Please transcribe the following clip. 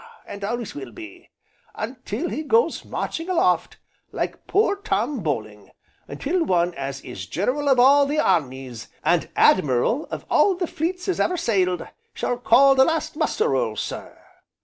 and always will be until he goes marching aloft, like poor Tom Bowling, until one as is General of all the armies, and Admiral of all the fleets as ever sailed, shall call the last muster roll, sir.